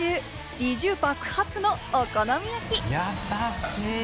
ビジュ爆発のお好み焼き！